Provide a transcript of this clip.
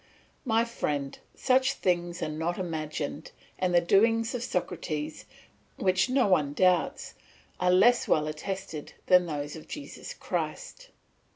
My friend, such things are not imagined; and the doings of Socrates, which no one doubts, are less well attested than those of Jesus Christ.